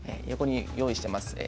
横に用意しています。